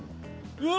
うわ！